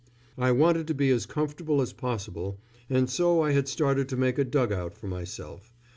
I wanted to be as comfortable as possible, and so I had started to make a dug out for myself.